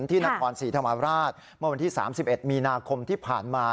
ที่นครศรีธรรมราชเมื่อวันที่๓๑มีนาคมที่ผ่านมา